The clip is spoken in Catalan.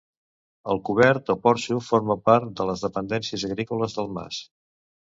El cobert o porxo forma part de les dependències agrícoles del mas.